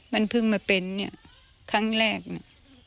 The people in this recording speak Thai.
มันเพิ่งมาเป็นเนี่ยครั้งแรกเนี่ย